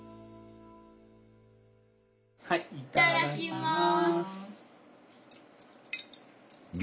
いただきます。